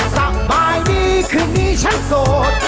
สบายดีคืนนี้ฉันโสด